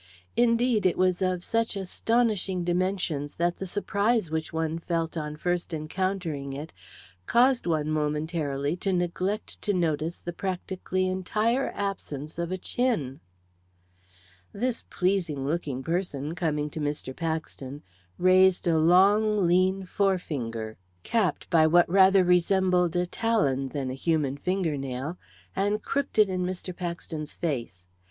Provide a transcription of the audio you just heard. Indeed, it was of such astonishing dimensions that the surprise which one felt on first encountering it, caused one, momentarily, to neglect to notice the practically entire absence of a chin. This pleasing looking person, coming to Mr. Paxton, raised a long, lean forefinger, capped by what rather resembled a talon than a human fingernail, and crooked it in Mr. Paxton's face.